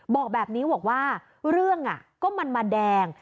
บอกแบบนี้บอกว่าเรื่องก็มันมาแดง